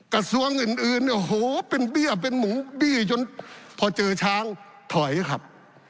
กระทรวงอื่นเนี่ยโอ้โหเป็นเบี้ยเป็นหมูเบี้ยจนพอเจอช้างถอยครับ